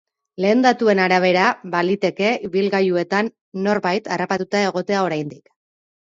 Lehen datuen arabera, baliteke ibilgailuetan norbait harrapatuta egotea oraindik.